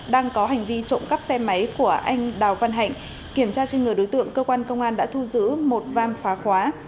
đang có hành vi trộm cắp xe máy của anh đào văn hạnh kiểm tra trên người đối tượng cơ quan công an đã thu giữ một vam phá khóa